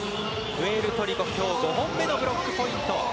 プエルトリコ、今日５本目のブロックポイント。